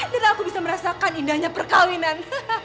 dan aku bisa merasakan indahnya perkawinan